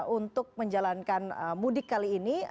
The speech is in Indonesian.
untuk menjalankan mudik kali ini